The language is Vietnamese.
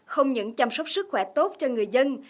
không những chăm sóc sức khỏe tốt cho người dân